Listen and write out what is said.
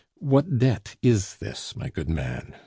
What debt is this, my good man?